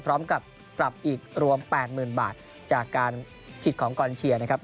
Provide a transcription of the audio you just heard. พร้อมกับกลับอีกรวมแปดหมื่นบาทจากการผิดของการเชียร์นะครับ